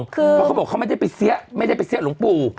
เพราะเขาบอกเขาไม่ได้ไปเสี้ยไม่ได้ไปเสี้ยหลวงปู่